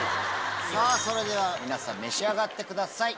それでは皆さん召し上がってください。